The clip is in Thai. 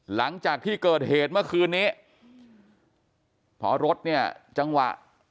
หลังจากที่เกิดเหตุเมื่อคืนนี้พอรถเนี่ยจังหวะ